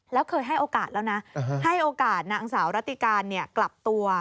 แล้วเคยให้โอกาสแล้วนะให้โอกาสนางสาวรัติการกลับตัว